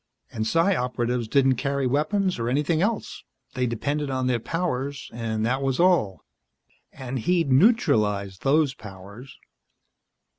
And Psi Operatives didn't carry weapons or anything else. They depended on their powers, and that was all. And he'd neutralized those powers.